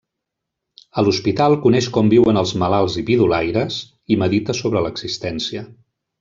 A l'hospital coneix com viuen els malalts i pidolaires i medita sobre l'existència.